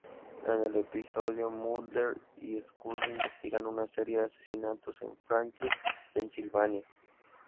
En el episodio, Mulder y Scully investigan una serie de asesinatos en Franklin, Pensilvania.